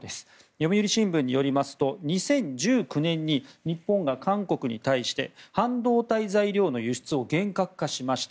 読売新聞によりますと２０１９年に日本が韓国に対して半導体材料の輸出を厳格化しました。